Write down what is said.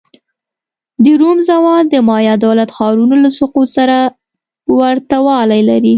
د روم زوال د مایا دولت ښارونو له سقوط سره ورته والی لري.